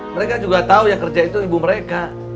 mereka juga tahu yang kerja itu ibu mereka